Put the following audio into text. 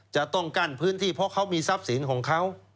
จะต้องกั้นพื้นที่เพราะเขามีทรัพย์สินของเขา